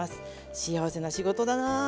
幸せな仕事だな。